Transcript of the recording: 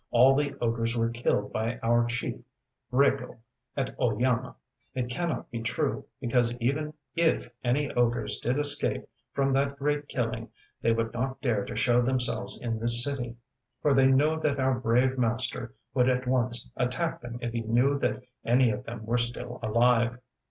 All the ogres were killed by our chief Raiko at Oeyama! It cannot be true, because even if any ogres did escape from that great killing they would not dare to show themselves in this city, for they know that our brave master would at once attack them if he knew that any of them were still alive!